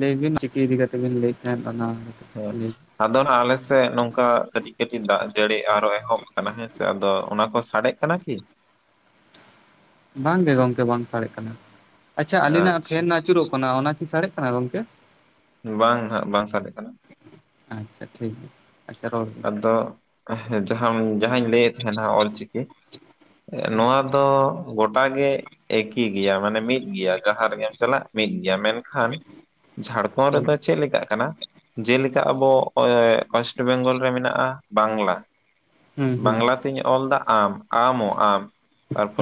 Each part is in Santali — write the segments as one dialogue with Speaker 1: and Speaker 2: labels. Speaker 1: ᱞᱟᱹᱭᱵᱤᱱ ᱪᱤᱠᱤ ᱤᱫᱤ ᱠᱟᱛᱮ ᱵᱤᱱ ᱞᱟᱹᱭᱮᱫ ᱛᱟᱦᱮᱸᱫ ᱵᱚᱱᱟ
Speaker 2: ᱦᱮ [unintelligible] ᱟᱫᱚ ᱱᱟᱦ ᱟᱞᱮᱥᱮᱫ ᱱᱚᱝᱠᱟ ᱠᱟᱹᱴᱤᱡ ᱠᱟᱹᱴᱤᱡ ᱫᱟᱜ ᱡᱟᱹᱲᱤ ᱟᱨᱚ ᱮᱦᱚᱵ ᱟᱠᱟᱱᱟ ᱦᱮᱸᱥᱮ ᱟᱫᱚ ᱚᱱᱟ ᱠᱚ ᱥᱟᱰᱮᱜ ᱠᱟᱱᱟ ᱠᱤ?
Speaker 1: ᱵᱟᱝᱜᱮ ᱜᱚᱝᱠᱮ ᱵᱟᱝ ᱥᱟᱲᱮᱜ ᱠᱟᱱᱟ ᱟᱪᱪᱷᱟ ᱟᱞᱤᱧᱱᱟᱜ
Speaker 2: ᱟᱪᱪᱷᱟ
Speaker 1: ᱯᱷᱮᱱ ᱱᱟ ᱟᱪᱩᱨᱚᱜ ᱠᱟᱱᱟ ᱚᱱᱟ ᱠᱤ ᱥᱟᱲᱮᱜ ᱠᱟᱱᱟ ᱜᱚᱝᱠᱮ?
Speaker 2: ᱵᱟᱝ ᱦᱟᱜ ᱵᱟᱝ ᱥᱟᱰᱮᱜ ᱠᱟᱱᱟ᱾
Speaker 1: ᱟᱪᱪᱷᱟ ᱴᱷᱤᱠ ᱟᱪᱪᱷᱟ ᱨᱚᱲ ᱵᱤᱱ᱾
Speaker 2: ᱫᱚ ᱦᱮᱸ ᱡᱟᱸᱦᱟ ᱡᱟᱦᱟᱧ ᱞᱟᱹᱭᱮᱫ ᱛᱮᱦᱮᱱᱟ ᱚᱞ ᱪᱤᱠᱤ ᱮ ᱱᱚᱣᱟ ᱛᱚ ᱜᱚᱴᱟ ᱜᱮ ᱮᱠᱤ ᱜᱮᱭᱟ ᱢᱟᱱᱮ ᱢᱤᱫ ᱜᱮᱭᱟ ᱡᱟᱸᱦᱟ ᱨᱮᱜᱮᱢ ᱪᱟᱞᱟᱜ ᱢᱤᱫ ᱜᱮᱭᱟ ᱢᱮᱱ ᱠᱷᱟᱱ ᱡᱷᱟᱲᱠᱷᱚᱸᱰ
Speaker 1: ᱦᱩᱸ
Speaker 2: ᱨᱮᱫᱚ ᱪᱮᱫ ᱞᱮᱠᱟᱜ ᱠᱟᱱᱟ ᱡᱮᱞᱮᱠᱟ ᱟᱵᱚ ᱮ ᱚᱭᱮᱥ ᱭᱮᱥᱴ ᱵᱮᱝᱜᱚᱞ ᱨᱮ ᱢᱮᱱᱟᱜᱼᱟ ᱵᱟᱝᱞᱟ
Speaker 1: ᱦᱩᱸ
Speaker 2: ᱵᱟᱝᱞᱟ ᱛᱤᱧ ᱚᱞ ᱫᱟ ᱟᱢ ᱟᱢᱚ ᱟᱢ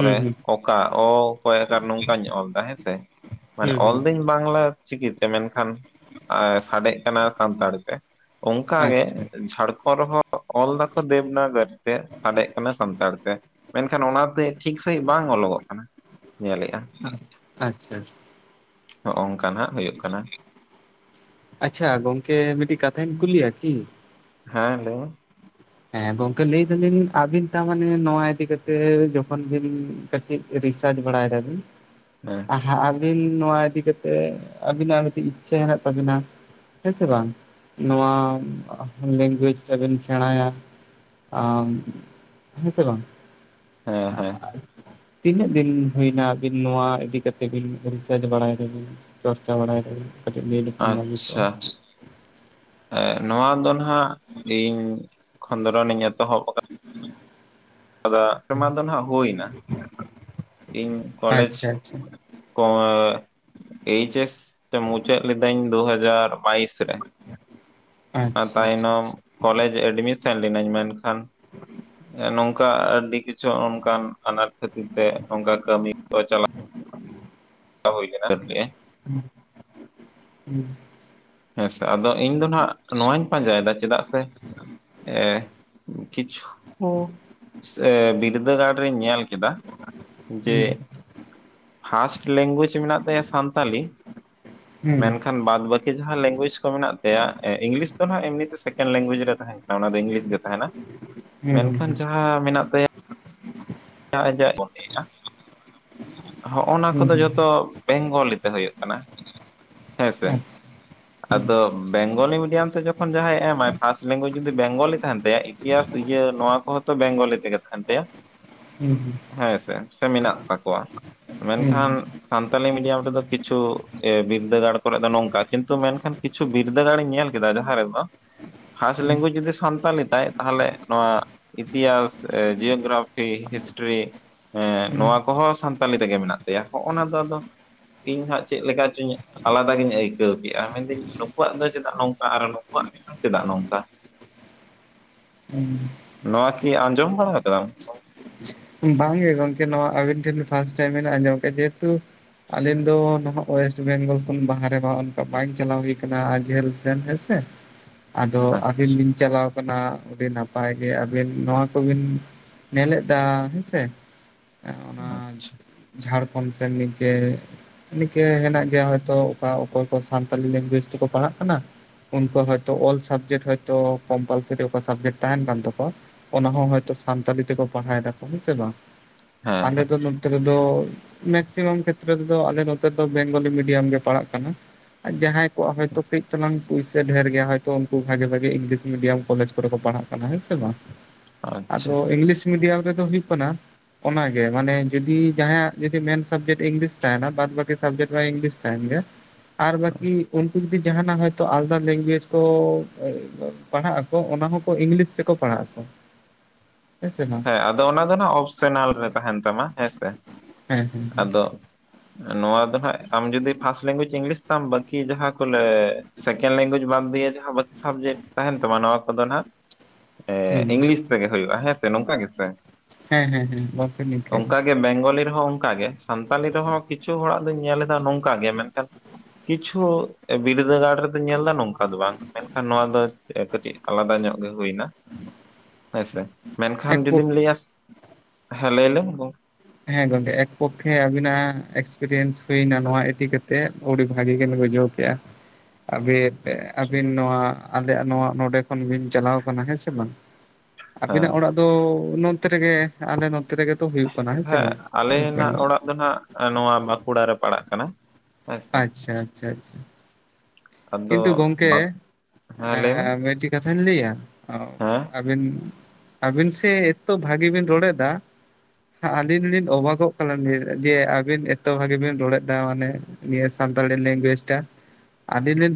Speaker 1: ᱦᱩᱸ ᱦᱩᱸ
Speaker 2: ᱚᱠᱟ ᱚ ᱠᱚᱭᱟ ᱟᱠᱟᱨ ᱱᱚᱝᱠᱟᱧ ᱚᱞ ᱫᱟ ᱦᱮᱸᱥᱮ ᱾ ᱢᱟᱱᱮ
Speaker 1: ᱦᱩᱸ ᱦᱩᱸ
Speaker 2: ᱚᱞᱫᱤᱧ ᱵᱟᱝᱞᱟ ᱪᱤᱠᱤᱛᱮ ᱢᱮᱱᱠᱷᱟᱱ ᱟ ᱥᱟᱰᱮᱜ ᱠᱟᱱᱟ ᱥᱟᱱᱛᱟᱲᱤ ᱛᱮ, ᱚᱝᱠᱟ ᱜᱮ
Speaker 1: ᱟᱪᱪᱷᱟ
Speaker 2: ᱡᱷᱟᱲᱠᱷᱚᱸᱰ ᱨᱮᱸᱦᱚ ᱚ ᱚᱞ ᱫᱟᱠᱚ ᱫᱮᱵᱽᱱᱟᱜᱟᱨᱤ ᱛᱮ ᱥᱟᱰᱮᱜ ᱠᱟᱱᱟ ᱥᱟᱱᱛᱟᱲ ᱛᱮ ᱾ ᱢᱮᱱᱠᱷᱟᱱ ᱚᱱᱟᱛᱮ ᱴᱷᱤᱠ ᱥᱟᱹᱦᱤᱡ ᱵᱟᱝ ᱚᱞᱚᱜᱚᱜ ᱠᱟᱱᱟ ᱧᱮᱞᱮᱜᱼᱟ᱾
Speaker 1: ᱟᱪᱪᱷᱟ ᱾
Speaker 2: ᱦᱚᱜᱼᱚᱝᱠᱟ ᱱᱟᱜ ᱦᱩᱭᱩᱜ ᱠᱟᱱᱟ᱾
Speaker 1: ᱟᱪᱪᱷᱟ ᱜᱚᱝᱠᱮ ᱢᱤᱫᱴᱤᱡ ᱠᱟᱛᱷᱟᱧ ᱠᱩᱞᱤᱭᱟ ᱠᱤ?
Speaker 2: ᱦᱮᱸ ᱞᱟᱹᱭ ᱢᱮ ᱾
Speaker 1: ᱦᱮᱸ ᱜᱚᱝᱠᱮ ᱞᱟᱹᱭ ᱫᱟᱞᱤᱱ ᱟᱹᱵᱤᱱ ᱛᱟ ᱢᱟᱱᱮ ᱱᱚᱣᱟ ᱤᱫᱤ ᱠᱟᱛᱮ ᱡᱚᱠᱷᱚᱱ ᱵᱤᱱ ᱠᱟᱹᱴᱤᱡ ᱨᱤᱥᱟᱨᱪ ᱵᱟᱲᱟᱭ ᱫᱟᱵᱤᱱ
Speaker 2: ᱦᱮᱸ ᱾
Speaker 1: ᱦᱟ ᱟᱹᱵᱤᱱ ᱱᱚᱣᱟ ᱤᱫᱤ ᱠᱟᱛᱮᱜ ᱟᱹᱵᱤᱱᱟᱜ ᱢᱤᱴᱤᱡ ᱤᱪᱪᱷᱟᱹ ᱦᱮᱱᱟᱜ ᱛᱟᱵᱤᱱᱟ ᱦᱮᱸ ᱥᱮ ᱵᱟᱝ ᱱᱚᱣᱟ ᱞᱮᱝᱜᱩᱭᱮᱡ ᱛᱮᱵᱮᱱ ᱥᱮᱬᱟᱭᱟ ᱾ ᱟᱢ ᱦᱮᱸ ᱥᱮ ᱵᱟᱝ!
Speaker 2: ᱦᱮᱸ ᱦᱮᱸ ᱾
Speaker 1: ᱛᱤᱱᱟᱹᱜ ᱫᱤᱱ ᱦᱩᱭᱱᱟ ᱟᱹᱵᱤᱱ ᱱᱚᱣᱟ ᱤᱫᱤ ᱠᱟᱛᱮ ᱵᱤᱱ ᱨᱤᱥᱟᱨᱪ ᱵᱟᱲᱟᱭ ᱫᱟᱵᱤᱱ? ᱪᱚᱨᱪᱟ ᱵᱟᱲᱟᱭ ᱫᱟᱵᱤᱱ ᱠᱟᱹᱴᱤᱡ ᱞᱟᱹᱭ ᱞᱮᱠᱷᱟᱱ ᱵᱷᱟᱹᱞᱤ ᱠᱚᱜᱼᱟ ᱾
Speaker 2: ᱮ ᱱᱚᱣᱟ ᱫᱚ ᱱᱟᱦᱟᱜ ᱤᱧ ᱠᱷᱚᱸᱫᱽᱨᱚᱱᱤᱧ ᱮᱛᱚᱦᱚᱵ ᱟᱠᱟ ᱠᱟᱫᱟ ᱥᱮᱨᱢᱟ ᱫᱚ ᱱᱟᱦᱟᱜ ᱦᱩᱭ ᱱᱟ, ᱤᱧ ᱠᱚᱞᱮᱡᱽ
Speaker 1: [inaudible]
Speaker 2: ᱚᱣᱟ ᱮᱭᱤᱪ ᱮᱥ ᱢᱩᱪᱟᱹᱫ ᱞᱤᱫᱟᱹᱧ ᱫᱩ ᱦᱟᱡᱟᱨ ᱵᱟᱭᱤᱥ ᱨᱮ, ᱚᱱᱟ
Speaker 1: ᱟᱪᱪᱷᱟ ᱟᱪᱪᱷᱟ
Speaker 2: ᱛᱟᱭᱱᱚᱢ
Speaker 1: ᱟᱪᱪᱷᱟ
Speaker 2: ᱠᱚᱞᱮᱡᱽ ᱮᱰᱢᱤᱥᱮᱱ ᱞᱤᱱᱟᱹᱧ ᱢᱮᱱᱠᱷᱟᱱ ᱱᱚᱝᱠᱟ ᱟᱹᱰᱤ ᱠᱤ ᱪᱷᱚ ᱚᱱᱠᱟᱱ ᱟᱱᱟᱴ ᱠᱷᱟᱹᱛᱤᱨ ᱛᱮ ᱚᱝᱠᱟ ᱠᱟᱹᱢᱤ ᱠᱚ ᱪᱟᱞᱟᱜ ᱦᱩᱭ ᱞᱮᱱᱟ [inaudible]
Speaker 1: ᱦᱩᱸ, ᱦᱩᱸ ᱾
Speaker 2: ᱦᱮᱸ ᱥᱮ ᱟᱫᱚ ᱤᱧ ᱫᱚ ᱱᱟᱦᱟᱜ ᱱᱚᱣᱟᱧ ᱯᱟᱸᱡᱟᱭ ᱫᱟ ᱪᱮᱫᱟᱜ ᱥᱮ ᱮ ᱠᱤᱪᱷᱩ ᱥᱮ ᱵᱤᱨᱫᱟᱹᱜᱟᱲ ᱨᱤᱧ ᱧᱮᱞ ᱠᱮᱫᱟ ᱡᱮ
Speaker 1: ᱦᱩᱸ
Speaker 2: ᱯᱷᱟᱥᱴ ᱞᱮᱝᱜᱩᱭᱮᱡᱽ ᱢᱮᱱᱟᱜ ᱛᱟᱭᱟ ᱥᱟᱱᱛᱟᱞᱤ,
Speaker 1: ᱦᱩᱸ
Speaker 2: ᱢᱮᱱᱠᱷᱟᱱ ᱵᱟᱫ ᱵᱟᱹᱠᱤ ᱡᱟᱦᱟᱸ ᱞᱮᱝᱜᱩᱭᱮᱡᱽ ᱠᱚ ᱢᱮᱱᱟᱜ ᱛᱟᱭᱟ ᱮ ᱤᱝᱞᱤᱥ ᱫᱚ ᱱᱟᱦᱟᱸᱜ ᱮᱢᱱᱤᱛᱮ ᱥᱮᱠᱮᱱᱰ ᱞᱮᱝᱜᱩᱭᱮᱡ ᱨᱮ ᱛᱟᱦᱮᱱᱟ ᱾ ᱚᱱᱟ ᱫᱚ ᱤᱝᱞᱤᱥ ᱜᱮ ᱛᱟᱦᱮᱱᱟ,
Speaker 1: ᱦᱩᱸ ᱦᱩᱸ
Speaker 2: ᱢᱮᱱᱠᱷᱟᱱ
Speaker 1: ᱦᱩᱸ
Speaker 2: ᱡᱟᱦᱟᱸ ᱢᱮᱱᱟᱜ ᱛᱟᱭᱟ ᱡᱟᱦᱟᱸ ᱟᱡ ᱚᱞ ᱮᱜᱼᱟ ᱦᱚᱜᱼᱚᱱᱟ
Speaker 1: ᱦᱩᱸ
Speaker 2: ᱠᱚᱫᱚ
Speaker 1: ᱦᱩᱸ
Speaker 2: ᱡᱚᱛᱚ ᱵᱮᱝᱜᱚᱞᱤ ᱛᱮ ᱦᱳᱭᱳᱜ ᱠᱟᱱᱟ ᱦᱮᱸ ᱥᱮ
Speaker 1: ᱟᱪᱪᱷᱟ
Speaker 2: ᱾
Speaker 1: ᱦᱩᱸ
Speaker 2: ᱟᱫᱚ ᱵᱮᱝᱜᱚᱞᱤ ᱢᱤᱰᱤᱭᱟᱢ ᱛᱮ ᱡᱚᱠᱷᱚᱱ ᱡᱟᱦᱟᱸᱭ ᱮᱢᱟᱭ ᱯᱷᱟᱥᱴ ᱞᱮᱝᱜᱩᱭᱡᱽ ᱡᱩᱫᱤ ᱵᱮᱝᱜᱚᱞᱤ ᱛᱟᱦᱮᱱ ᱛᱟᱭᱟ, ᱤᱛᱤᱦᱟᱥ ᱤᱭᱟᱹ ᱱᱚᱣᱟ ᱠᱚᱦᱚᱸ ᱛᱚ ᱵᱮᱝᱜᱚᱞᱤ ᱛᱮᱜᱮ ᱛᱟᱦᱮᱱ ᱛᱟᱭᱟ ᱾
Speaker 1: ᱦᱩᱸ ᱦᱩᱸ ᱾
Speaker 2: ᱦᱮᱸᱥᱮ ᱥᱮ ᱢᱮᱱᱟᱜ ᱛᱟᱠᱚᱣᱟ,
Speaker 1: ᱦᱩᱸ
Speaker 2: ᱢᱮᱱᱠᱷᱟᱱ ᱥᱟᱱᱛᱟᱞᱤ ᱢᱤᱰᱤᱭᱟᱢ ᱨᱮᱫᱚ ᱠᱤᱪᱷᱩ ᱮ ᱵᱤᱨᱫᱟᱹᱜᱟᱲ ᱠᱚᱨᱮᱜ ᱫᱚ ᱱᱚᱝᱠᱟ, ᱠᱤᱱᱛᱩ ᱢᱮᱱᱠᱷᱟᱱ ᱠᱤᱪᱷᱩ ᱵᱤᱨᱫᱟᱹᱜᱟᱲ ᱤᱧ ᱧᱮᱞ ᱠᱮᱫᱟ ᱡᱟᱦᱟᱸ ᱨᱮᱫᱚ ᱯᱷᱟᱥ
Speaker 1: ᱦᱩᱸ
Speaker 2: ᱞᱮᱝᱜᱩᱭᱡᱽ ᱡᱩᱫᱤ ᱥᱟᱱᱛᱟᱞᱤ ᱛᱟᱭ ᱛᱟᱦᱞᱮ ᱱᱚᱣᱟ ᱤᱛᱤᱦᱟᱸᱥ, ᱡᱤᱭᱳᱜᱨᱟᱯᱤ, ᱦᱤᱥ ᱦᱤᱥᱴᱨᱤ, ᱮᱸᱜ
Speaker 1: ᱦᱩᱸ ᱦᱩᱸ
Speaker 2: ᱱᱚᱣᱟ ᱠᱚᱦᱚᱸ ᱥᱟᱱᱛᱟᱞᱤ ᱛᱮᱜᱮ ᱢᱮᱱᱟᱜ ᱛᱟᱭᱟ᱾ ᱦᱚᱸᱜ-ᱚᱱᱟ ᱫᱚ ᱟᱫᱚ ᱤᱧ ᱦᱟᱸᱜ ᱪᱮᱫ ᱞᱮᱠᱟ ᱪᱩᱧ ᱟᱞᱟᱫᱟ ᱜᱤᱧ ᱟᱹᱭᱠᱟᱹᱣ ᱠᱮᱜ-ᱟ, ᱢᱮᱱᱫᱟᱹᱧ ᱱᱩᱠᱩᱣᱟᱜ ᱫᱚ ᱪᱮᱫᱟᱜ ᱱᱚᱝᱠᱟ ᱟᱨ ᱱᱩᱠᱩᱣᱟᱜ ᱜᱮᱵᱟᱝ ᱪᱮᱫᱟᱜ ᱱᱚᱝᱠᱟ?
Speaker 1: ᱦᱩᱸ
Speaker 2: ᱱᱚᱣᱟ ᱠᱤ ᱟᱸᱡᱚᱢ ᱵᱟᱲᱟ ᱠᱟᱫᱟᱢ?
Speaker 1: ᱵᱟᱝᱜᱮ ᱜᱚᱝᱠᱮ ᱱᱚᱣᱟ ᱟᱹᱵᱤᱱ ᱴᱷᱮᱱ ᱯᱷᱟᱥᱴ ᱴᱟᱭᱤᱢ ᱵᱮᱱ ᱟᱸᱡᱚᱢ ᱠᱮᱫᱟ᱾ ᱡᱮᱦᱮᱛᱩ ᱟᱞᱮ ᱫᱚ ᱱᱟᱦᱟᱜ ᱚᱭᱮᱥᱴ ᱵᱮᱝᱜᱚᱞ ᱠᱷᱚᱱ ᱵᱟᱦᱨᱮ ᱦᱚᱲ ᱚᱱᱠᱟ ᱵᱟᱝ ᱪᱟᱞᱟᱣ ᱦᱩᱭ ᱠᱟᱱᱟ, ᱡᱷᱟᱹᱞ ᱥᱮᱱ ᱦᱮᱸ ᱥᱮ᱾
Speaker 2: [inaudible]
Speaker 1: ᱟᱫᱚ ᱟᱹᱵᱤᱱ ᱵᱤᱱ ᱪᱟᱞᱟᱣ ᱠᱟᱱᱟ ᱟᱹᱰᱤ ᱱᱟᱯᱟᱭ ᱜᱮ, ᱟᱹᱵᱮᱱ ᱱᱚᱣᱟ ᱠᱚᱵᱤᱱ ᱧᱮᱞᱮᱫᱟ᱾ ᱦᱮᱸ ᱥᱮ ᱟ ᱚᱱᱟ
Speaker 2: ᱟᱪᱪᱷᱟ
Speaker 1: ᱡᱷᱟᱲᱠᱷᱚᱸᱰ ᱥᱮᱱ ᱜᱮ ᱱᱤᱝᱠᱟᱹ ᱦᱮᱱᱟᱜ ᱜᱮᱭᱟ ᱦᱚᱭᱛᱚ, ᱚᱠᱟ ᱚᱠᱚᱭ ᱠᱚ ᱥᱟᱱᱛᱟᱞᱤ ᱞᱮᱝᱜᱩᱭᱮᱡᱽ ᱛᱮᱠᱚ ᱯᱟᱲᱦᱟᱜ ᱠᱟᱱᱟ? ᱩᱱᱠᱩᱣᱟᱜ ᱦᱳᱭᱛᱚ ᱚᱞ ᱥᱟᱵᱡᱮᱴ ᱦᱳᱭᱛᱚ ᱠᱚᱢᱯᱟᱞᱥᱟᱨᱤ ᱚᱠᱟ ᱥᱟᱵᱡᱮᱠᱴ ᱛᱟᱸᱦᱮᱱ ᱠᱟᱱ ᱛᱟᱠᱚᱣᱟ᱾ ᱚᱱᱟ ᱦᱚᱸ ᱦᱚᱭᱛᱳ ᱥᱟᱱᱛᱟᱞᱤ ᱛᱮᱠᱚ ᱯᱟᱲᱦᱟᱣ ᱫᱟᱠᱚ ᱦᱮᱸᱥᱮ ᱵᱟᱝ?
Speaker 2: ᱦᱮᱸ
Speaker 1: ᱟᱞᱮ
Speaker 2: ᱦᱮᱸ
Speaker 1: ᱫᱚ ᱱᱚᱛᱮ ᱨᱮᱫᱚ ᱢᱮᱠᱥᱤᱢᱟᱢ ᱠᱷᱮᱛᱨᱮ ᱨᱮᱫᱚ ᱟᱞᱮ ᱱᱚᱛᱮ ᱫᱚ ᱵᱮᱝᱜᱚᱞᱤ ᱢᱤᱰᱤᱭᱟᱢ ᱜᱮ ᱯᱟᱲᱦᱟᱜ ᱠᱟᱱᱟ᱾ ᱡᱟᱦᱟᱸᱭ ᱠᱚᱣᱟᱜ ᱦᱚᱭᱛᱳ ᱠᱟᱺᱡ ᱪᱟᱞᱟᱝ ᱯᱩᱭᱥᱟᱹ ᱰᱷᱮᱨ ᱜᱮᱭᱟ ᱦᱚᱭᱛᱚ ᱩᱱᱠᱩ ᱵᱷᱟᱜᱮ ᱵᱷᱟᱜᱮ ᱤᱝᱞᱤᱥ ᱢᱤᱰᱤᱭᱟᱢ ᱠᱚᱞᱮᱡᱽ ᱠᱚᱨᱮ ᱠᱚ ᱯᱟᱲᱦᱟᱜ ᱠᱟᱱᱟ ᱦᱮᱸ ᱥᱮ ᱵᱟᱝ᱾
Speaker 2: ᱟᱪᱪᱷᱟ
Speaker 1: ᱟᱫᱚ ᱤᱝᱞᱤᱥ ᱢᱤᱰᱤᱭᱟᱢ ᱨᱮᱫᱚ ᱦᱩᱭᱩᱜ ᱠᱟᱱᱟ ᱚᱱᱟᱜᱮ ᱢᱟᱱᱮ ᱡᱩᱫᱤ ᱡᱟᱦᱟᱸᱭᱟᱜ ᱡᱩᱫᱤ ᱢᱮᱱ ᱥᱟᱵᱡᱮᱠᱴ ᱤᱝᱞᱤᱥ ᱛᱟᱸᱦᱮᱱᱟ ᱵᱟᱫ ᱵᱟᱹᱠᱤ ᱥᱟᱵᱡᱮᱠᱴ ᱢᱟ ᱤᱝᱞᱤᱥ ᱛᱟᱸᱦᱮᱱ ᱜᱮᱭᱟ᱾
Speaker 2: [inaudible]
Speaker 1: ᱟᱨ ᱵᱟᱹᱠᱤ ᱩᱱᱠᱩ ᱡᱩᱫᱤ ᱡᱟᱸᱦᱟᱱᱟᱜ ᱦᱚᱭᱛᱚ ᱟᱞᱟᱫᱟ ᱞᱮᱝᱜᱩᱭᱮᱡᱽ ᱠᱚ ᱯᱟᱲᱦᱟᱜ-ᱟᱠᱚ ᱚᱱᱟ ᱦᱚᱸᱠᱚ ᱤᱝᱞᱤᱥ ᱨᱮᱠᱚ ᱯᱟᱲᱦᱟᱜ-ᱟᱠᱚ᱾
Speaker 2: [inaudible] ᱦᱮᱸ ᱟᱫᱚ ᱚᱱᱟ ᱫᱚ ᱱᱟᱦᱟᱸᱜ ᱚᱯᱥᱚᱱᱟᱞ ᱨᱮ ᱛᱟᱸᱦᱮᱱ ᱛᱟᱢᱟ ᱦᱮᱸ ᱥᱮ᱾
Speaker 1: ᱦᱮᱸ ᱦᱮᱸ
Speaker 2: ᱟᱫᱚ ᱱᱚᱣᱟ ᱫᱚ ᱱᱟᱦᱟᱜ ᱟᱢ ᱡᱩᱫᱤ ᱯᱷᱟᱥᱴ ᱞᱮᱝᱜᱩᱭᱮᱡᱽ ᱤᱝᱞᱤᱥ ᱛᱟᱢ ᱵᱟᱠᱤ ᱡᱟᱦᱟᱸ ᱠᱚᱞᱮ ᱥᱮᱠᱮᱱ ᱞᱝᱜᱩᱭᱮᱡ ᱵᱟᱫ ᱫᱤᱭᱮ ᱡᱟᱦᱟᱸ ᱵᱟᱠᱤ ᱥᱟᱵᱡᱮᱠᱴ ᱛᱟᱸᱦᱮᱱ ᱛᱟᱢᱟ ᱱᱚᱣᱟ ᱠᱚᱫᱚ ᱱᱟᱦᱟᱜ
Speaker 1: ᱦᱮᱸ
Speaker 2: ᱤᱝᱞᱤᱥ ᱛᱮᱜᱮ ᱦᱩᱭᱩᱜᱼᱟ ᱦᱮᱸ ᱥᱮ, ᱱᱚᱝᱠᱟ ᱜᱮ ᱥᱮ?
Speaker 1: ᱦᱮᱸ ᱦᱮᱸ ᱦᱮᱸ ᱵᱟᱯᱮ ᱱᱤᱝᱠᱟᱹᱭᱟ
Speaker 2: ᱚᱝᱠᱟ ᱜᱮ ᱵᱮᱝᱜᱚᱞᱤ ᱨᱮᱦᱚᱸ ᱚᱝᱠᱟ ᱜᱮ᱾ ᱥᱟᱱᱛᱟᱞᱤ ᱨᱮᱦᱚᱸ ᱠᱤᱪᱷᱩ ᱦᱚᱲᱟᱜ ᱫᱩᱧ ᱧᱮᱞᱮᱫᱟ ᱱᱚᱝᱠᱟ ᱜᱮ ᱢᱮᱸᱫᱴᱟᱱ ᱠᱤᱪᱷᱩ ᱵᱤᱨᱫᱟᱹᱜᱟᱲ ᱨᱮᱫᱚᱧ ᱧᱮᱞᱫᱟ ᱱᱚᱝᱠᱟ ᱫᱚ ᱵᱟᱝ᱾ ᱢᱮᱱᱠᱷᱟᱱ ᱱᱚᱣᱟ ᱫᱚ ᱦᱮᱸ ᱠᱟᱹᱴᱤᱡ ᱟᱞᱟᱫᱟ ᱧᱚᱜ ᱜᱮ ᱦᱩᱭᱱᱟ᱾ ᱦᱮᱸ ᱥᱮ, ᱢᱮᱱᱠᱷᱟᱱ
Speaker 1: ᱮᱠ ᱯᱚᱠ
Speaker 2: ᱡᱩᱫᱤᱢ ᱞᱟᱹᱭᱟ, ᱦᱮᱸ ᱞᱟᱹᱭ ᱞᱮᱢ ᱜᱚᱝ
Speaker 1: ᱦᱮᱸ ᱜᱚᱝᱠᱮ ᱮᱠ ᱯᱚᱠᱠᱷᱮ ᱟᱵᱤᱱᱟᱜ ᱮᱠᱥᱯᱮᱨᱤᱭᱮᱱᱥ ᱦᱩᱭᱱᱟ ᱱᱚᱣᱟ ᱤᱫᱤ ᱠᱟᱛᱮᱫ ᱩᱰᱤ ᱵᱷᱟᱜᱤ ᱜᱮᱞᱤᱧ ᱵᱩᱡᱷᱟᱹᱣ ᱠᱮᱜ-ᱟ᱾
Speaker 2: [inaudible]
Speaker 1: ᱟᱹᱵᱤᱱ,
Speaker 2: ᱟᱪᱪᱷᱟ
Speaker 1: ᱟᱹᱵᱤᱱ ᱱᱚᱣᱟ ᱟᱞᱮᱭᱟᱜ ᱱᱚᱣᱟ ᱱᱚᱸᱰᱮ ᱠᱷᱚᱱ ᱵᱤᱱ ᱪᱟᱞᱟᱣ ᱠᱟᱱᱟ ᱦᱮᱸ ᱥᱮ ᱵᱟᱝ?
Speaker 2: ᱦᱮᱸ
Speaker 1: ᱟᱵᱤᱱᱟᱜ ᱚᱲᱟᱜ ᱛᱚ, ᱱᱚᱛᱮ ᱨᱮᱜᱮ ᱟᱞᱮ ᱱᱚᱛᱮ ᱨᱮᱜᱮ ᱛᱚ ᱦᱩᱭᱩᱜ ᱠᱟᱱᱟ᱾ ᱥᱮ
Speaker 2: ᱦᱮᱸ
Speaker 1: ᱵᱟᱝ
Speaker 2: ᱟᱞᱮᱱᱟᱜ ᱚᱲᱟᱜ ᱫᱚ ᱱᱟᱜ ᱱᱚᱣᱟ ᱵᱟᱸᱠᱩᱲᱟ ᱨᱮ ᱯᱟᱲᱟᱜ ᱠᱟᱱᱟ᱾ ᱦᱮᱸᱥᱮ
Speaker 1: ᱟᱪᱪᱷᱟ ᱟᱪᱪᱷᱟ ᱟᱪᱪᱷᱟ᱾
Speaker 2: [inaudible]
Speaker 1: ᱠᱤᱱᱛᱩ ᱜᱚᱝᱠᱮ
Speaker 2: ᱵᱟᱫ ᱦᱮᱸ ᱞᱟᱹᱭ ᱢᱮ
Speaker 1: ᱮᱸᱻ ᱢᱤᱫᱴᱤ ᱠᱟᱛᱷᱟᱧ ᱞᱟᱹᱭᱟ?
Speaker 2: ᱦᱮᱸ
Speaker 1: ᱟᱹᱵᱤᱱ, ᱟᱵᱤᱱ ᱥᱮ ᱮᱛᱚ ᱵᱷᱟᱜᱤ ᱵᱤᱱ ᱨᱚᱲᱮᱫᱟ᱾ ᱟᱹᱞᱤᱧ ᱞᱤᱧ ᱚᱵᱟᱜᱚᱜ ᱠᱟᱱᱟᱞᱤ ᱡᱮ ᱟᱹᱵᱤᱱ ᱮᱛᱚ ᱵᱷᱟᱜᱤ ᱵᱤᱱ ᱨᱚᱲᱮᱫᱟ ᱢᱟᱱᱮ᱾ ᱱᱤᱭᱟᱹ ᱥᱟᱱᱛᱟᱲᱤ ᱞᱮᱸᱝᱜᱩᱭᱩᱡᱽ ᱴᱟ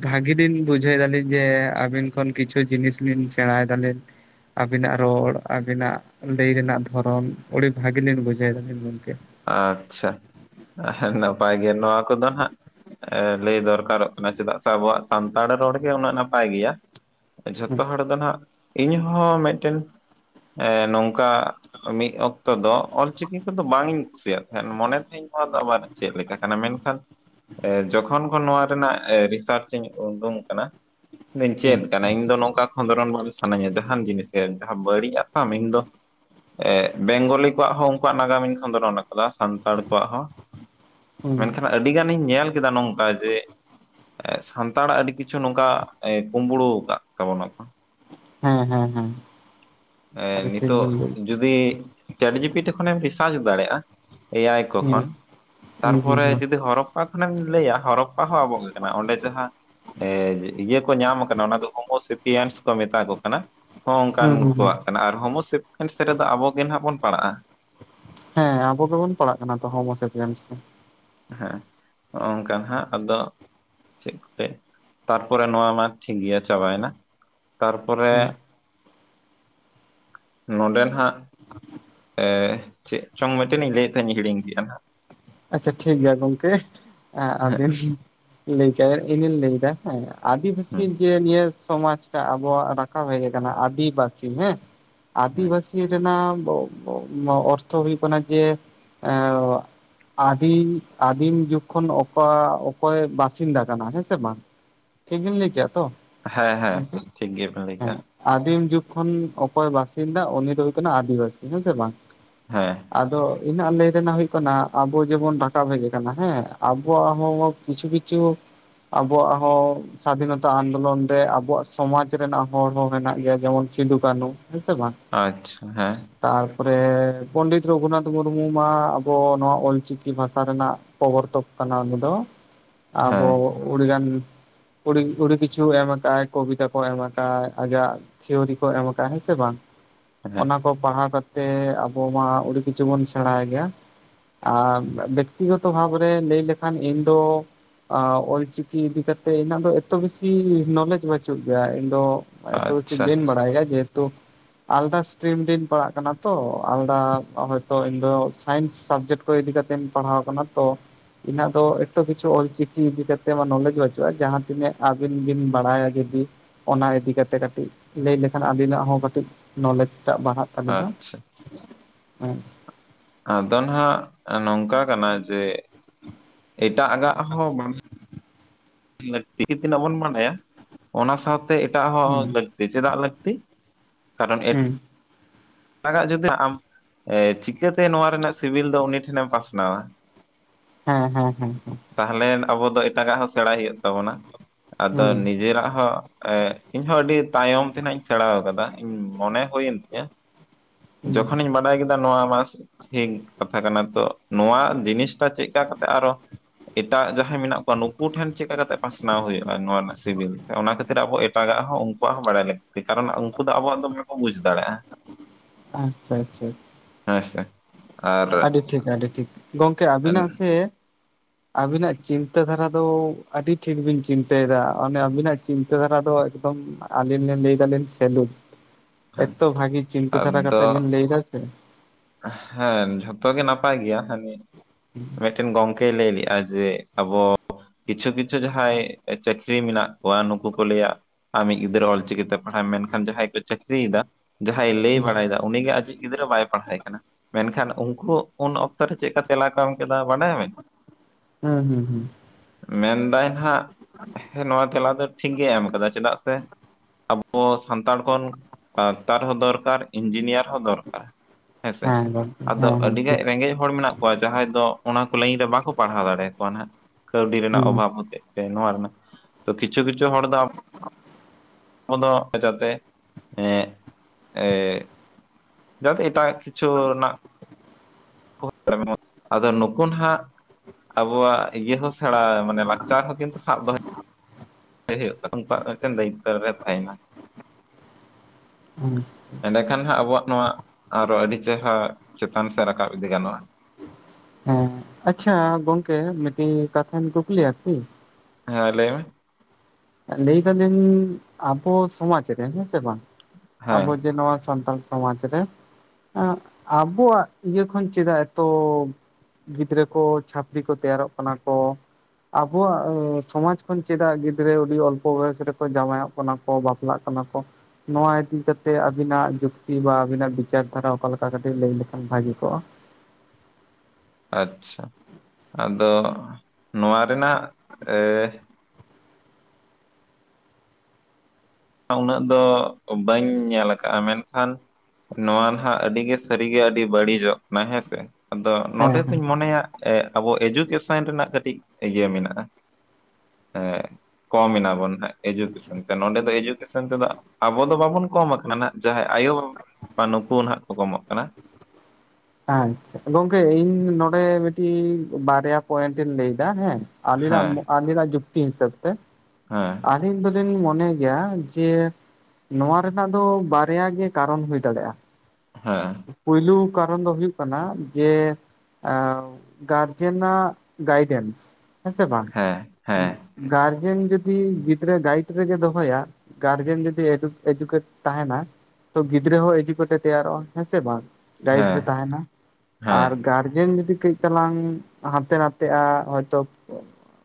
Speaker 1: ᱵᱷᱟᱜᱤ ᱞᱤᱧ ᱵᱩᱡᱷᱟᱹᱣ ᱮᱫᱟᱞᱤᱧ ᱡᱮ ᱟᱹᱵᱤᱱ ᱠᱷᱚᱱ ᱠᱤᱪᱷᱩ ᱡᱤᱱᱤᱥ ᱞᱤᱧ ᱥᱮᱬᱟᱭ ᱮᱫᱟ ᱞᱤᱧ᱾ ᱟᱹᱵᱤᱱᱟᱜ ᱨᱚᱲ ᱟᱹᱵᱤᱱᱟᱜ ᱞᱟᱹᱭ ᱨᱮᱱᱟᱜ ᱫᱷᱚᱨᱚᱱ ᱟᱹᱰᱤ ᱵᱷᱟᱜ ᱞᱤᱧ ᱵᱩᱡᱷᱟᱹᱣ ᱮᱫᱟ ᱞᱤᱧ ᱜᱚᱢᱠᱮ᱾
Speaker 2: ᱟᱪᱪᱷᱟ, ᱱᱟᱯᱟᱭ ᱜᱮ ᱱᱚᱣᱟ ᱠᱚᱫᱚ ᱦᱟᱜ ᱮᱸ ᱞᱟᱹᱭ ᱫᱚᱨᱠᱟᱨᱚᱜ ᱠᱟᱱᱟ, ᱪᱮᱫᱟᱜ ᱥᱮ ᱟᱵᱚᱣᱟᱜ ᱥᱟᱱᱛᱟᱲ ᱨᱚᱲ ᱜᱮ ᱩᱱᱟᱹᱜ ᱱᱟᱯᱟᱭ ᱜᱮᱭᱟ᱾ ᱡᱷᱚᱛᱚ ᱦᱚᱲ ᱫᱚ ᱦᱟᱸᱜ ᱤᱧ ᱦᱚᱸᱢᱤᱫᱴᱮᱱ ᱱᱚᱝᱠᱟ ᱢᱤᱫ ᱚᱠᱛᱚ ᱫᱚ ᱚᱞᱪᱤᱠᱤ ᱠᱚᱫᱚ ᱵᱟᱝ ᱤᱧ ᱠᱩᱥᱤᱭᱟᱜ ᱛᱟᱦᱮᱸᱱ, ᱢᱚᱱᱮ ᱛᱟᱦᱮᱸ ᱱᱚᱣᱟ ᱫᱚ ᱟᱵᱟᱨ ᱪᱮᱫ ᱞᱮᱠᱟ ᱠᱟᱱᱟ? ᱢᱮᱱᱠᱷᱟᱱ ᱮ ᱡᱚᱠᱷᱚᱱ ᱠᱷᱚᱱ ᱱᱚᱣᱟ ᱨᱮᱱᱟᱜ ᱨᱤᱥᱟᱨᱪ ᱤᱧ ᱩᱰᱩᱝ ᱟᱠᱟᱱᱟ᱾
Speaker 1: ᱦᱮᱸ
Speaker 2: ᱪᱮᱫ ᱠᱟᱱᱟ? ᱤᱧ ᱫᱚ ᱱᱚᱝᱠᱟ ᱠᱷᱚᱸᱫᱽᱨᱚᱱ ᱢᱟᱱᱮ ᱥᱟᱱᱟᱹᱧᱟ᱾ ᱡᱟᱦᱟᱱ ᱡᱤᱱᱤᱥ ᱜᱮ ᱡᱟᱦᱟᱸ ᱵᱟᱹᱲᱤᱡ ᱟ ᱛᱟᱢ ᱤᱧ ᱫᱚ᱾ ᱮ ᱵᱮᱝᱜᱽᱞᱤ ᱠᱚᱣᱟᱜ ᱦᱚᱸ ᱩᱱᱠᱩᱣᱟᱜ ᱱᱟᱜᱟᱢᱤᱧ ᱠᱷᱚᱸᱫᱽᱨᱚᱱ ᱱᱟ᱾ ᱥᱟᱱᱛᱟᱲ ᱠᱚᱣᱟᱜ ᱦᱚᱸ,
Speaker 1: ᱦᱮᱸ
Speaker 2: ᱢᱮᱱᱠᱷᱟᱱ ᱟᱹᱰᱤ ᱜᱟᱱᱤᱧ ᱧᱮᱞ ᱠᱮᱫᱟ ᱱᱚᱝᱠᱟ ᱡᱮ ᱮ ᱥᱟᱱᱛᱟᱲᱟᱜ ᱟᱹᱰᱤ ᱠᱤᱪᱷᱩ ᱱᱚᱝᱠᱟ ᱠᱩᱢᱵᱽᱲᱩ ᱟᱠᱟᱫ ᱛᱟᱵᱚᱱᱟ ᱠᱚ᱾
Speaker 1: ᱦᱮᱸ ᱦᱮᱸ ᱦᱮᱸ
Speaker 2: ᱮ
Speaker 1: ᱟᱹᱰᱤ ᱴᱷᱤᱠ
Speaker 2: ᱱᱤᱛᱟᱜ
Speaker 1: ᱵᱤᱱ ᱞᱟᱹᱭ
Speaker 2: ᱡᱩᱫᱤ ᱪᱮᱴ ᱡᱤᱯᱤ ᱴᱷᱚᱱ ᱠᱷᱚᱱᱮᱢ ᱨᱤᱥᱟᱨᱪ ᱫᱟᱲᱮᱭᱟᱜᱼᱟ ᱮ ᱟᱭ ᱠᱚ
Speaker 1: ᱦᱮᱸ
Speaker 2: ᱠᱷᱚᱱ
Speaker 1: ᱦᱩᱸ ᱦᱩᱸ
Speaker 2: ᱛᱟᱨᱯᱚᱨᱮ
Speaker 1: ᱦᱩᱸ
Speaker 2: ᱡᱩᱫᱤ ᱦᱚᱨᱚ ᱚᱠᱟ ᱠᱷᱚᱱᱟᱜᱮᱢ ᱞᱟᱹᱭᱟ ᱦᱚᱨᱚᱯᱟᱦ ᱦᱚᱸ ᱟᱵᱚ ᱟᱠᱟᱱᱟ᱾ ᱚᱸᱰᱮ ᱡᱟᱦᱟᱸ ᱤᱭᱟᱹ ᱠᱚ ᱧᱟᱢ ᱟᱠᱟᱱᱟ ᱚᱱᱟ ᱫᱚ ᱦᱳᱢᱳᱥᱮᱯᱤᱭᱟᱱᱥ ᱠᱚ ᱢᱮᱛᱟ ᱠᱚ ᱠᱟᱱᱟ, ᱦᱚᱸ ᱚᱱᱠᱟᱱ
Speaker 1: ᱦᱩᱸ ᱦᱩᱸ
Speaker 2: ᱠᱚᱣᱟᱜ
Speaker 1: ᱦᱩᱸ
Speaker 2: ᱠᱟᱱᱟ ᱟᱨ ᱦᱳᱢᱳᱥᱮᱯ ᱨᱮᱫᱚ ᱟᱵᱚᱜ ᱜᱮ ᱱᱟᱦᱟᱜ ᱵᱚᱱ ᱯᱟᱲᱟᱜᱼᱟ᱾
Speaker 1: ᱦᱮᱸ ᱟᱵᱚ ᱜᱮᱵᱚᱱ ᱯᱟᱲᱟᱜ ᱠᱟᱱᱟ ᱛᱚ ᱦᱮᱸᱦᱳᱢᱳᱥᱮᱯᱤᱭᱟᱱᱥ ᱨᱮ ᱾
Speaker 2: ᱦᱮᱸ ᱱᱚᱜᱝᱠᱟ ᱦᱟᱸᱜ ᱟᱫᱚ ᱪᱮᱫ ᱠᱚᱴᱮ? ᱛᱟᱨᱯᱚᱨᱮ ᱱᱚᱣᱟ ᱢᱟ ᱴᱷᱤᱠ ᱜᱮᱭᱟ ᱪᱟᱵᱟᱭ ᱮᱱᱟ᱾ ᱛᱟᱨᱯᱚᱨᱮ ᱱᱚᱸᱰᱮ ᱱᱟᱜ
Speaker 1: [inaudible]
Speaker 2: ᱮ ᱪᱮᱪᱚᱝ ᱢᱮᱴᱮᱱ ᱞᱟᱭ ᱛᱟᱦᱮᱸ ᱦᱤᱲᱤᱧ ᱠᱮᱼᱟᱼᱦᱟᱸ
Speaker 1: ᱟᱪᱪᱷᱟ ᱴᱷᱤᱠ ᱜᱮᱭᱟ ᱜᱚᱢᱠᱮ,
Speaker 2: ᱦᱮᱸ
Speaker 1: ᱟᱵᱤᱱ ᱞᱟᱹᱭ ᱠᱮᱫ ᱤᱧᱤᱧ ᱞᱟᱹᱭ ᱮᱫᱟ᱾ ᱦᱮᱸ ᱟᱫᱤᱵᱟᱥᱤ
Speaker 2: ᱦᱩᱸ
Speaker 1: ᱱᱤᱭᱟᱹ ᱥᱚᱢᱟᱡ ᱴᱟ ᱟᱵᱚᱣᱟᱜ ᱨᱟᱠᱟᱵ ᱦᱮᱡ ᱟᱠᱟᱱᱟ, ᱟᱹᱫᱤᱵᱟᱹᱥᱤ ᱦᱮᱸ
Speaker 2: ᱦᱩᱸ
Speaker 1: ᱟᱹᱫᱤᱵᱟᱹᱥᱤ ᱤᱭᱟᱹ ᱡᱟᱱᱟᱜ [unintelligible] ᱚᱨᱛᱷᱚ ᱦᱩᱭᱩᱜ ᱠᱟᱱᱟ ᱡᱮ ᱟᱹᱫᱤᱢ ᱟᱹᱫᱤᱢ ᱡᱩᱜᱽ ᱠᱷᱚᱱ ᱚᱠᱟ ᱚᱠᱚᱭ ᱵᱟᱥᱤᱱᱫᱟ ᱠᱟᱱᱟ ᱦᱮᱸ ᱥᱮ ᱵᱟᱝ? ᱴᱷᱤᱜᱮᱢ ᱞᱟᱹᱭ ᱠᱮᱜᱼᱟ ᱛᱚ
Speaker 2: ᱦᱮᱸ ᱦᱮᱸ ᱴᱷᱤᱠ ᱜᱮᱵᱮᱱ ᱞᱟᱹᱭ
Speaker 1: ᱦᱮᱸ᱾
Speaker 2: ᱠᱟᱜᱼᱟ
Speaker 1: ᱟᱹᱫᱤᱢ ᱡᱩᱜᱽ ᱠᱷᱚᱱ ᱚᱠᱚᱭ ᱵᱟᱥᱤᱱᱫᱟ ᱮᱫᱟ, ᱩᱱᱤ ᱫᱚ ᱦᱩᱭᱩᱜ ᱠᱟᱱᱟ ᱟᱹᱫᱤᱵᱟᱹᱥᱤ ᱦᱮᱸ ᱥᱮ ᱵᱟᱝ?
Speaker 2: ᱦᱮᱸ᱾
Speaker 1: ᱟᱫᱚ ᱤᱱᱟᱹᱜ ᱞᱟᱹᱭ ᱨᱮᱱᱟᱜ ᱦᱩᱭᱩᱜ ᱠᱟᱱᱟ᱾ ᱟᱵᱚ ᱡᱮᱢᱚᱱ ᱰᱷᱟᱹᱠᱟᱹ ᱵᱷᱮᱜᱮ ᱠᱟᱱᱟ ᱦᱮᱸ ᱟᱵᱚᱣᱟᱜ ᱦᱚᱸ ᱠᱤᱪᱷᱩ ᱠᱤᱪᱷᱩ ᱟᱵᱚᱣᱟᱜ ᱦᱚᱸ ᱥᱟᱫᱷᱤᱱᱚᱛᱟ ᱟᱱᱫᱳᱞᱚᱱ ᱨᱮ ᱟᱵᱚᱣᱟᱜ ᱥᱚᱢᱟᱡᱽ ᱨᱮᱱᱟᱜ ᱦᱚᱲ ᱦᱚᱸ ᱦᱮᱱᱟᱝ ᱜᱮᱭᱟ, ᱡᱮᱢᱚᱱ ᱥᱤᱫᱩ ᱠᱟᱱᱦᱩ ᱦᱮᱸ ᱥᱮ ᱵᱟᱝ?
Speaker 2: ᱟᱪᱪᱷᱟ, ᱦᱮᱸ᱾
Speaker 1: ᱛᱟᱨᱯᱚᱨᱮ ᱯᱚᱸᱰᱤᱛ ᱨᱚᱜᱷᱩᱱᱟᱛᱷ ᱢᱩᱨᱢᱩ ᱢᱟ ᱟᱵᱚ ᱱᱚᱣᱟ ᱚᱞᱪᱤᱠᱤ ᱵᱷᱟᱥᱟ ᱨᱮᱱᱟᱜ ᱯᱚᱵᱚᱨᱛᱚᱠ ᱠᱟᱱᱟ, ᱚᱱᱟ ᱫᱚ ᱟᱵᱚ
Speaker 2: ᱦᱮᱸ
Speaker 1: ᱟᱹᱰᱤ ᱜᱟᱱ ᱟᱹᱰᱤ ᱠᱤᱪᱷᱩ ᱮᱢ ᱟᱠᱟᱫ, ᱠᱚᱵᱤᱛᱟ ᱠᱚ ᱮᱢ ᱟᱠᱟᱫ ᱟᱭ ᱟᱡᱟᱜ ᱛᱷᱤᱣᱨᱤ ᱠᱚ ᱮᱢ ᱠᱟᱼᱟ ᱦᱮᱸ ᱥᱮ ᱵᱟᱝ?
Speaker 2: ᱦᱮᱸ
Speaker 1: ᱚᱱᱟ ᱠᱚ ᱯᱟᱲᱦᱟᱣ ᱠᱟᱛᱮᱫ ᱟᱵᱚ ᱢᱟ ᱟᱹᱰᱤ ᱠᱤᱪᱷᱩᱵᱚᱱ ᱥᱮᱬᱟᱭ ᱜᱮᱭᱟ᱾ ᱟᱨ ᱵᱮᱠᱛᱤᱜᱚᱛᱚ ᱵᱷᱟᱵᱨᱮ ᱞᱟᱹᱭ ᱞᱮᱠᱷᱟᱱ ᱤᱧ ᱫᱚ ᱚᱞᱪᱤᱠᱤ ᱤᱫᱤ ᱠᱟᱛᱮ ᱤᱧᱟᱹᱜ ᱫᱚ ᱮᱛᱚ ᱵᱮᱥᱤ ᱱᱚᱞᱮᱡᱽ ᱵᱟᱹᱪᱩᱜ ᱜᱮᱭᱟ, ᱤᱧ ᱫᱚ ᱛᱚ
Speaker 2: ᱟᱪᱪᱷᱟ
Speaker 1: ᱵᱤᱱ ᱵᱟᱲᱟᱭᱟ ᱡᱮᱦᱮᱛᱩ ᱟᱞᱫᱟ ᱥᱴᱨᱤᱢ ᱨᱤᱧ ᱯᱟᱲᱟᱜ ᱠᱟᱱᱟ ᱛᱚ ᱟᱞᱫᱟ ᱦᱚᱭᱛᱚ ᱤᱧ ᱫᱚ ᱥᱟᱭᱮᱱᱥ ᱥᱟᱵᱡᱮᱠᱴ ᱛᱚ ᱤᱫᱤ ᱠᱟᱛᱮᱧ ᱯᱟᱲᱦᱟᱣ ᱟᱠᱟᱱᱟ ᱛᱚ ᱤᱱᱟᱜ ᱫᱚ ᱮᱛᱚ ᱠᱤᱪᱷᱩ ᱚᱞᱪᱤᱠᱤ ᱤᱫᱤ ᱠᱟᱛᱮ ᱢᱟ ᱱᱚᱞᱮᱡᱽ ᱵᱟᱹᱪᱩᱜ-ᱟ ᱡᱟᱦᱟᱸ ᱛᱤᱱᱟᱹᱜ ᱟᱵᱤᱱ ᱵᱤᱱ ᱵᱟᱲᱟᱭᱟ ᱡᱩᱫᱤ, ᱚᱱᱟ ᱤᱫᱤ ᱠᱟᱛᱮᱜ ᱠᱟᱹᱴᱤᱡ ᱞᱟᱹᱭ ᱞᱮᱠᱷᱟᱱ ᱟᱹᱞᱤᱱᱟᱜ ᱦᱚᱸ ᱠᱟᱹᱴᱤᱡ, ᱱᱚᱞᱮᱡ ᱴᱟᱜ ᱵᱟᱲᱦᱟᱜ ᱛᱟᱵᱤᱱᱟ
Speaker 2: ᱟᱪᱪᱷᱟ
Speaker 1: ᱦᱮᱸ᱾
Speaker 2: ᱟᱫᱚ ᱱᱦᱟᱜ ᱱᱚᱝᱠᱟ ᱠᱟᱱᱟ ᱡᱮ ᱮᱴᱟᱜ ᱜᱟᱜ ᱦᱚᱸ ᱵᱟ ᱞᱟᱹᱠᱛᱤ ᱜᱮ ᱛᱤᱱᱟᱹᱜ ᱵᱚᱱ ᱵᱟᱰᱟᱭᱟ ᱚᱱᱟ ᱥᱟᱶᱛᱮ ᱮᱴᱟᱜ
Speaker 1: ᱦᱩᱸ
Speaker 2: ᱦᱚᱸ ᱞᱟᱹᱠ ᱪᱫᱟᱜ ᱞᱟᱹᱠᱛᱤ ᱠᱟᱨᱚᱱ
Speaker 1: ᱦᱩᱸ
Speaker 2: ᱞᱟᱜᱟᱜ ᱡᱩᱫᱤ ᱟᱢ ᱮ ᱪᱤᱠᱟᱹᱛᱮ ᱱᱚᱣᱟ ᱨᱮᱱᱟᱜ ᱥᱤᱵᱤᱞ ᱫᱚ ᱩᱱᱤ ᱴᱷᱮᱱᱮᱢ ᱯᱟᱥᱱᱟᱣᱟ?
Speaker 1: ᱦᱮᱸ ᱦᱮᱸ ᱦᱮᱸ ᱦᱮᱸ
Speaker 2: ᱛᱟᱦᱞᱮᱱ ᱟᱵᱚ ᱫᱚ ᱮᱴᱟᱜᱟᱜ ᱦᱚᱸ ᱥᱮᱬᱟᱭ ᱦᱩᱭᱩᱜ ᱛᱟᱵᱚᱱᱟ, ᱟᱫᱚ
Speaker 1: ᱦᱩᱸ
Speaker 2: ᱱᱤᱡᱮᱨᱟᱜ ᱦᱚᱸ‌ ᱮ ᱤᱧ ᱦᱚᱸ ᱟᱹᱰᱤ ᱛᱟᱭᱚᱢ ᱛᱮ ᱱᱟᱜ ᱤᱧ ᱥᱮᱬᱟᱣ ᱠᱟᱫᱟ ᱤᱧ ᱢᱚᱱᱮ ᱦᱩᱭᱮᱱ ᱛᱤᱧᱟᱹ
Speaker 1: ᱦᱩᱸ
Speaker 2: ᱡᱚᱠᱷᱚᱱᱤᱧ ᱵᱟᱰᱟᱭ ᱠᱮᱫᱟ ᱱᱚᱣᱟ ᱢᱟᱥ ᱴᱷᱤᱠ ᱠᱟᱛᱷᱟ ᱠᱟᱱᱟ ᱛᱚ ᱱᱚᱣᱟ ᱡᱤᱱᱤᱥ ᱴᱟ ᱪᱮᱫ ᱠᱟ ᱠᱟᱛᱮ ᱟᱨᱚ ᱮᱴᱟᱜ ᱡᱟ ᱦᱮᱸ ᱢᱮᱱᱟᱜ ᱠᱚᱣᱟ ᱱᱩᱠᱩ ᱴᱷᱮᱱ ᱪᱤᱠᱠᱟ ᱠᱟᱛᱮᱜ ᱯᱟᱥᱱᱟᱣ ᱦᱩᱭᱩᱜ-ᱟ ᱱᱚᱣᱟ ᱨᱮᱱᱟᱜ ᱥᱤᱵᱤᱞ ᱛᱮ ᱚᱱᱟ ᱠᱷᱟᱹᱛᱤᱨ ᱟᱵᱚ ᱮ ᱴᱟᱜᱟᱜ ᱦᱚᱸ ᱩᱱᱠᱩᱣᱟᱜ ᱦᱚᱸ ᱵᱟᱲᱟᱭ ᱞᱟᱹᱠᱛᱤ, ᱠᱟᱨᱚᱱ ᱩᱱᱠᱩ ᱫᱚ ᱟᱵᱚᱣᱟᱜ ᱫᱚ ᱵᱟᱠᱚ ᱵᱩᱡᱽ ᱫᱟᱲᱮᱜ-ᱟ᱾
Speaker 1: ᱟᱪᱪᱷᱟ ᱟᱪᱪᱷᱟ
Speaker 2: ᱦᱮᱸ ᱥᱮ
Speaker 1: ᱟᱹᱰᱤ ᱴᱷᱤᱠ ᱟᱹᱰᱤ ᱴᱷᱤᱠ ᱜᱚᱝᱠᱮ ᱟᱹᱵᱤᱱᱟᱜ ᱥᱮ, ᱟᱹᱵᱤᱱᱟᱜ ᱪᱤᱱᱛᱟᱹ ᱫᱷᱟᱨᱟ ᱫᱚ ᱟᱹᱰᱤ ᱴᱷᱤᱠ ᱵᱤᱱ ᱪᱤᱱᱛᱟᱹᱭᱮᱫᱟ ᱚᱱᱮ ᱟᱵᱤᱱᱟᱜ ᱪᱤᱱᱛᱟᱹ ᱫᱷᱟᱨᱟ ᱫᱚ ᱮᱠᱫᱚᱢ ᱟᱹᱵᱤᱱ ᱵᱤᱱ ᱞᱟᱹᱭᱫᱟᱞᱤᱧ ᱥᱮᱞᱩᱴ
Speaker 2: ᱦᱮᱸ
Speaker 1: ᱮᱛᱚ ᱵᱷᱟᱜᱤ ᱪᱤᱱᱛᱟᱹ ᱫᱷᱟᱨᱟ
Speaker 2: ᱟᱫᱚ
Speaker 1: ᱠᱟᱛᱮᱜ ᱵᱤᱱ ᱞᱟᱹᱭ ᱫᱟᱥᱮ,
Speaker 2: ᱦᱮᱸ ᱡᱷᱚᱛᱚ ᱜᱮ ᱱᱟᱯᱟᱭ ᱜᱮᱭᱟ ᱦᱟᱹᱱᱤ
Speaker 1: [unintelligible]
Speaker 2: ᱢᱮᱜᱴᱮᱱ ᱜᱚᱢᱠᱮᱭ ᱞᱟᱹᱭ ᱞᱮᱜ-ᱟ ᱡᱮ ᱟᱵᱚ, ᱠᱤᱪᱷᱩ ᱠᱤᱪᱷᱩ ᱡᱟᱦᱟᱸᱭ ᱪᱟᱹᱠᱨᱤ ᱢᱮᱱᱟᱜ ᱠᱚᱣᱟ ᱱᱩᱠᱩ ᱠᱚ ᱞᱟᱹᱭᱟ ᱟᱢᱤᱡ ᱜᱤᱫᱽᱟᱹᱨᱟᱹ ᱚᱞᱪᱤᱠᱤᱛᱮ ᱯᱟᱲᱦᱟᱢ ᱢᱮᱱᱠᱷᱟᱱ ᱡᱟᱦᱟᱸᱭ ᱠᱚ ᱪᱟᱹᱠᱨᱤᱭᱮᱫᱟ, ᱡᱟᱦᱟᱸᱭᱮ ᱞᱟᱹᱭ
Speaker 1: ᱦᱮᱸ
Speaker 2: ᱵᱟᱲᱟᱭᱮᱫᱟ ᱩᱱᱤᱜᱮ ᱟᱡᱤᱡ ᱜᱤᱫᱽᱨᱟᱹ ᱵᱟᱭ ᱯᱟᱲᱦᱟᱣ ᱮ ᱢᱮᱱᱠᱷᱟᱱ ᱩᱱᱠᱩ ᱩᱱ ᱚᱠᱛᱚᱮ ᱪᱮᱫ ᱠᱟ ᱛᱮᱞᱟ ᱠᱚ ᱮᱢ ᱠᱮᱫᱟ ᱵᱟᱰᱟᱭᱟ ᱵᱮᱱ,
Speaker 1: ᱦᱮᱸ ᱦᱩᱸ ᱦᱩᱸ
Speaker 2: ᱢᱮᱱᱫᱟᱭ ᱱᱦᱟᱜ ᱱᱚᱣᱟ ᱛᱮᱞᱟ ᱫᱚ ᱴᱷᱤᱠ ᱜᱮᱭ ᱮᱢ ᱠᱟᱫᱟ ᱪᱮᱫᱟᱜ ᱥᱮ‌, ᱵ ᱥᱟᱱᱛᱟᱲ ᱠᱷᱚᱱ ᱰᱟᱠᱛᱟᱨ ᱦᱚᱸ ᱫᱚᱨᱠᱟᱨ ᱤᱧᱡᱤᱱᱤᱭᱟᱨ ᱦᱚᱸ ᱫᱚᱨᱠᱟᱨ ᱦᱮᱸᱥᱮ,
Speaker 1: ᱦᱮᱸ ᱜᱚᱝᱠᱮ
Speaker 2: ᱟᱫᱚ
Speaker 1: ᱦᱮᱸ ᱦᱮᱸ
Speaker 2: ᱟᱹᱰᱤᱜᱟᱡ
Speaker 1: ᱴᱷᱤᱠ
Speaker 2: ᱨᱮᱸᱜᱮᱡ ᱦᱚᱲ ᱢᱮᱱᱟᱜ ᱠᱚᱣᱟ ᱡᱟᱦᱟᱸᱭ ᱫᱚ ᱚᱱᱟ ᱠᱚ ᱞᱟᱹᱭᱤᱱ ᱨᱮ ᱵᱟᱠᱚ ᱯᱟᱲᱦᱟᱣ ᱫᱟᱲᱮᱭ ᱠᱚᱣᱟ ᱱᱦᱟᱸᱜ, ᱠᱟᱹᱣᱰᱤ ᱨᱮᱱᱟᱜ
Speaker 1: ᱦᱩᱸ
Speaker 2: ᱚᱵᱷᱟᱵ ᱦᱚᱛᱮᱡ ᱛᱮ ᱱᱚᱣᱟ ᱨᱮᱱᱟᱜ ᱛᱚ ᱠᱤᱪᱷᱩ ᱠᱤᱪᱷᱩ ᱦᱚᱲ ᱫᱚ ᱟᱵ ᱟᱵᱚ ᱫᱚ ᱡᱟᱛᱮ ᱮ ᱮᱸᱻ ᱡᱟᱛᱮ ᱮᱴᱟᱜ ᱠᱤᱪᱷᱩ ᱨᱮᱱᱟᱜ ᱟᱫᱚ ᱱᱩᱠᱩᱱ ᱦᱟᱸᱜ ᱟᱵᱚᱣᱟᱜ ᱤᱭᱟᱹ ᱦᱚᱸ ᱥᱮᱬᱟ ᱢᱟᱱᱮ ᱞᱟᱠᱪᱟᱨ ᱦᱚᱸ ᱠᱤᱱᱛᱩ ᱥᱟᱵ ᱫᱚᱦᱚᱭ ᱦᱩᱭᱩᱜ ᱛᱚ ᱩᱱᱠᱩᱣᱟᱜ ᱢᱤᱫᱴᱮᱱ ᱫᱟᱭᱤᱛᱛᱚ ᱨᱮ ᱛᱟᱦᱮᱭᱱᱟ᱾
Speaker 1: ᱦᱩᱸ
Speaker 2: ᱮᱸᱰᱮᱠᱷᱟᱱ ᱦᱟᱸᱜ ᱟᱵᱚᱣᱟᱜ ᱱᱚᱣᱟ ᱟᱨᱚ ᱟᱹᱰᱤ ᱪᱮᱦᱨᱟ ᱪᱮᱛᱟᱱ ᱥᱮᱫ ᱨᱟᱠᱟᱵ ᱤᱫᱤ ᱜᱟᱱᱚᱜ-ᱟ᱾
Speaker 1: ᱦᱮᱸ ᱟᱪᱪᱷᱟ ᱜᱚᱝᱠᱮ ᱢᱤᱫᱴᱤᱡ ᱠᱟᱛᱷᱟᱧ ᱠᱩᱠᱞᱤᱭᱟ ᱠᱤ?
Speaker 2: ᱦᱮᱸ ᱞᱟᱹᱭ ᱢᱮ?
Speaker 1: ᱞᱟᱹᱭᱫᱟᱞᱤᱧ ᱟᱵᱚ ᱥᱚᱢᱟᱡᱽ ᱨᱮ ᱦᱮᱸ ᱥᱮ ᱵᱟᱝ
Speaker 2: ᱦᱮᱸ
Speaker 1: ᱟᱵᱚ ᱡᱮ ᱱᱚᱣᱟ ᱥᱟᱱᱛᱟᱞ ᱥᱚᱢᱟᱡ ᱨᱮ ᱟᱵᱚᱣᱟᱜ ᱤᱭᱟᱹ ᱠᱷᱚᱱ ᱪᱮᱫᱟᱜ ᱮᱛᱚ ᱜᱤᱫᱽᱨᱟᱹ ᱠᱚ ᱪᱷᱟᱹᱯᱨᱤ ᱠᱚ ᱛᱮᱭᱟᱨᱚᱜ ᱠᱟᱱᱟ ᱠᱚ᱾ ᱟᱵᱚᱣᱟᱜ ᱥᱚᱢᱟᱡ ᱠᱷᱚᱱ ᱪᱮᱫᱟᱜ [inaudible] [inaudible] ᱟᱹᱰᱤ ᱚᱞᱯᱚ ᱵᱚᱭᱚᱥ ᱨᱮᱠᱚ ᱡᱟᱶᱟᱭᱚᱜ ᱠᱟᱱᱟ ᱠᱚ ᱵᱟᱯᱞᱟᱜ ᱠᱟᱱᱟ ᱠᱚ᱾ ᱱᱚᱣᱟ ᱤᱫᱤ ᱠᱟᱛᱮᱜ ᱟᱵᱤᱱᱟᱜ ᱡᱩᱠᱛᱤ ᱵᱟ ᱟᱵᱤᱱᱟᱜ ᱵᱤᱪᱟᱨ ᱫᱷᱟᱨᱟ ᱚᱠᱟ ᱞᱮᱠᱟ ᱠᱟᱹᱴᱤᱡ ᱞᱟᱹᱭ ᱞᱮᱠᱷᱟᱱ ᱵᱷᱟᱜᱤ ᱠᱚᱜᱼᱟ᱾
Speaker 2: ᱟᱪᱪᱷᱟ, ᱟᱫᱚ ᱱᱚᱣᱟ ᱨᱮᱱᱟᱜ ᱮ ᱩᱱᱟᱹᱜ ᱫᱚ ᱵᱟᱹᱧ ᱧᱮᱞ ᱠᱟᱜᱼᱟ ᱢᱮᱱᱠᱷᱟᱱ ᱱᱚᱣᱟ ᱱᱟᱦᱟᱜ ᱟᱹᱰᱤᱜᱮ ᱥᱟᱹᱨᱤᱜᱮ ᱟᱹᱰᱤ ᱵᱟᱹᱲᱤᱡᱚᱜ ᱠᱟᱱᱟ ᱦᱮᱸᱥᱮ ᱟᱫᱚ ᱱᱚᱸᱰᱮ
Speaker 1: ᱦᱮᱸ ᱦᱮᱸ
Speaker 2: ᱫᱩᱧ ᱢᱚᱱᱮᱭᱟ ᱮᱸᱜ ᱟᱵᱚ ᱮᱡᱩᱠᱮᱥᱚᱱ ᱨᱮᱱᱟᱜ ᱠᱟᱹᱴᱤᱡ ᱤᱭᱟᱹ ᱢᱮᱱᱟᱜᱼᱟ᱾ ᱮᱸᱜ ᱠᱚᱢ ᱮᱱᱟᱵᱚᱱ ᱦᱟᱸᱜ ᱮᱡᱩᱠᱮᱥᱚᱱ ᱛᱮ ᱱᱚᱰᱮ ᱫᱚ ᱮᱡᱩ ᱠᱮᱥᱚᱱ ᱛᱮᱫᱚ ᱟᱵᱚ ᱫᱚ ᱵᱟᱵᱚᱱ ᱠᱚᱢ ᱟᱠᱟᱱ ᱦᱟᱸᱜ ᱡᱟᱦᱟᱸᱭ ᱟᱭᱳ ᱵᱟ ᱱᱩᱠᱩᱱ ᱱᱚᱦᱟᱜ ᱠᱚ ᱠᱚᱢᱚᱜ ᱠᱟᱱᱟ᱾
Speaker 1: ᱟᱪᱪᱷᱟ ᱜᱚᱝᱠᱮ ᱤᱧ ᱱᱚᱸᱰᱮ ᱢᱤᱫᱴᱤᱡ ᱵᱟᱨᱭᱟ ᱯᱚᱭᱮᱱᱴ ᱤᱧ ᱞᱟᱹᱭᱫᱟ ᱦᱮᱸ᱾ ᱟᱞᱤᱱᱟᱜ
Speaker 2: ᱦᱮᱸ
Speaker 1: ᱟᱞᱤᱱᱟᱜ ᱡᱩᱠᱛᱤ ᱦᱤᱥᱟᱹᱵ ᱛᱮ᱾
Speaker 2: ᱦᱮᱸ
Speaker 1: ᱟᱹᱞᱤᱧ ᱫᱚᱞᱤᱧ ᱢᱚᱱᱮᱭ ᱜᱮᱭᱟ ᱡᱮ ᱱᱚᱣᱟ ᱨᱮᱱᱟᱜ ᱫᱚ ᱵᱟᱨᱭᱟ ᱜᱮ ᱠᱟᱨᱚᱱ ᱦᱩᱭ ᱫᱟᱲᱮᱜᱼᱟ᱾
Speaker 2: ᱦᱮᱸ
Speaker 1: ᱯᱩᱭᱞᱩ ᱠᱟᱨᱚᱱ ᱫᱚ ᱦᱩᱭᱩᱜ ᱠᱟᱱᱟ ᱡᱮ ᱮᱸᱢ ᱜᱟᱨᱡᱮᱱᱟᱜ ᱜᱟᱭᱰᱮᱱᱥ ᱦᱮᱸᱥᱮ ᱵᱟᱝ?
Speaker 2: ᱦᱮᱸ ᱦᱮᱸ
Speaker 1: ᱜᱟᱨᱡᱮᱱ ᱡᱩᱫᱤ ᱜᱤᱫᱽᱨᱟᱹ ᱜᱟᱭᱤᱰ ᱨᱮᱜᱮ ᱫᱚᱦᱚᱭᱟ᱾ ᱜᱟᱨᱡᱮᱱ ᱡᱩᱫᱤ ᱮᱰᱩᱠ ᱮᱰᱩᱠᱮᱴ ᱛᱟᱦᱮᱸᱱᱟ ᱛᱚ ᱜᱤᱫᱽᱨᱟᱹ ᱦᱚᱸ ᱮᱡᱩᱠᱮᱴᱮ ᱛᱮᱭᱟᱨᱚᱜᱼᱟ ᱦᱮᱸ ᱥᱮ ᱵᱟᱝ?
Speaker 2: ᱦᱮᱸ
Speaker 1: ᱜᱟᱭᱤᱰ ᱨᱮ
Speaker 2: ᱦᱮᱸ
Speaker 1: ᱛᱟᱦᱮᱸᱱᱟ ᱟᱨ
Speaker 2: ᱦᱮᱸ
Speaker 1: ᱜᱟᱨᱡᱮᱱ ᱡᱩᱫᱤ ᱠᱟᱹᱡ ᱛᱟᱞᱟᱝ ᱦᱟᱱᱛᱮ ᱱᱟᱛᱮᱜᱼᱟ ᱦᱚᱭᱛᱚ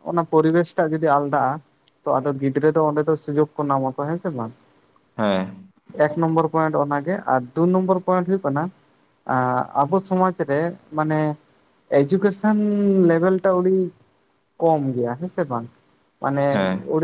Speaker 1: ᱚᱱᱟ ᱯᱚᱨᱤᱵᱮᱥ ᱴᱟᱜ ᱡᱩᱫᱤ ᱟᱞᱫᱟᱜᱼᱟ᱾ ᱛᱚ ᱟᱫᱚ ᱜᱤᱫᱽᱨᱟᱹ ᱫᱚ ᱚᱸᱰᱮ ᱫᱚ ᱥᱩᱡᱳᱜ ᱠᱚ ᱱᱟᱢᱟᱠᱚ ᱦᱮᱸ ᱥᱮ ᱵᱟᱝ?
Speaker 2: ᱦᱮᱸ
Speaker 1: ᱮᱠ ᱱᱚᱢᱵᱚᱨ ᱯᱚᱭᱮᱱᱴ ᱚᱱᱟᱜᱮ ᱟᱨ ᱫᱩ ᱱᱚᱢᱵᱚᱨ ᱯᱚᱭᱮᱱᱴ ᱦᱩᱭᱩᱜ ᱠᱟᱱᱟ ᱟᱸᱜ ᱟᱵᱚ ᱥᱚᱢᱟᱡᱽ ᱨᱮ ᱢᱟᱱᱮ ᱮᱡᱩᱠᱮᱥᱚᱱ ᱞᱮᱵᱮᱞ ᱴᱟᱜ ᱟᱹᱣᱰᱤ ᱠᱚᱢ ᱜᱮᱭᱟ ᱦᱮᱸ ᱥᱮ ᱵᱟᱝ? ᱢᱟᱱᱮ
Speaker 2: ᱦᱮᱸ
Speaker 1: ᱩᱲᱤ